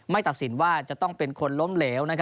ตัดสินว่าจะต้องเป็นคนล้มเหลว